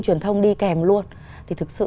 truyền thông đi kèm luôn thì thực sự